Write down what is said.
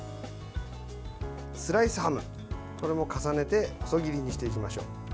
スライスハム、これも重ねて細切りにしていきましょう。